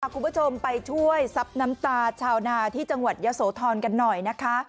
คุณผู้ชมไปช่วยซับน้ำตาชาวนาที่จังหวัดยะโสธรกันหน่อยนะคะ